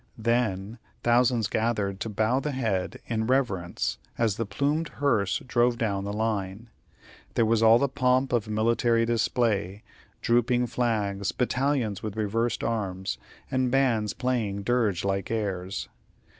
Then thousands gathered to bow the head in reverence as the plumed hearse drove down the line. There was all the pomp of military display drooping flags, battalions with reversed arms, and bands playing dirge like airs.